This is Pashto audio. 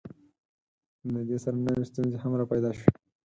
له دې سره نوې ستونزې هم راپیدا شوې.